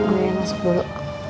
gue masuk dulu